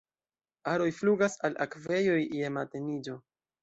Aroj flugas al akvejoj je mateniĝo.